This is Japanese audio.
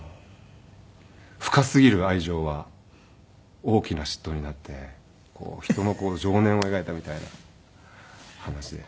深すぎる愛情は大きな嫉妬になって人の情念を描いたみたいな話で。